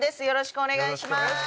よろしくお願いします。